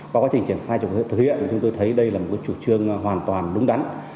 qua quá trình triển khai thực hiện chúng tôi thấy đây là một chủ trương hoàn toàn đúng đắn